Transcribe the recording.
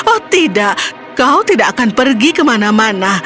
oh tidak kau tidak akan pergi kemana mana